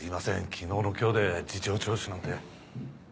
昨日の今日で事情聴取なんて。